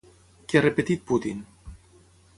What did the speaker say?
Què ha repetit Putin?